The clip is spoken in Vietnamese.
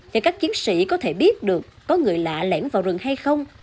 và các chiến sĩ có thể biết được có người lạ lẻn vào rừng hay không